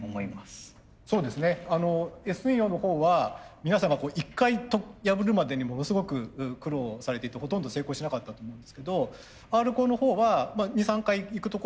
そうですねＳ陽のほうは皆さんが一回破るまでにものすごく苦労をされていてほとんど成功しなかったと思うんですけどＲコーのほうは２３回いくところはすっといったんですよね。